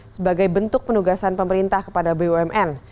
sebagai bentuk penugasan pemerintah kepada bumn